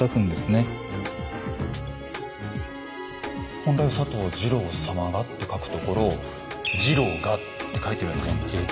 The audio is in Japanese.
本来は「佐藤二朗様が」って書くところを「二朗が」って書いてるようなもんですか。